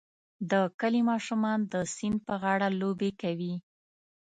د کلي ماشوم د سیند په غاړه لوبې کوي.